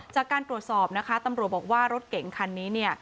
จากการตรวจสอบนะคะตำรวจบอกว่ารถเก๋งคันนี้เนี่ย